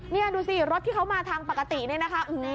นี่ดูสิรถที่เขามาทางปกติเนี่ยนะคะ